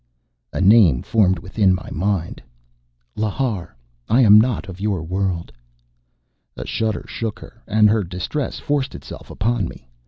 A name formed within my mind. "Lhar. I am not of your world." A shudder shook her. And her distress forced itself on me.